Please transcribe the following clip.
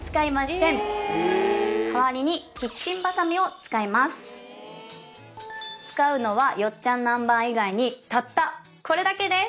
代わりに使うのはよっちゃんなんばん以外にたったこれだけです。